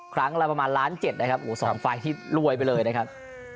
ครั้งละประมาณล้านเจ็ดนะครับโอ้โห๒ไฟล์ที่รวยไปเลยนะครับ